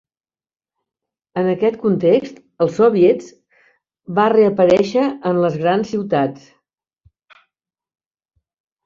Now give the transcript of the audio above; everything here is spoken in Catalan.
En aquest context, els sòviets va reaparèixer en les grans ciutats.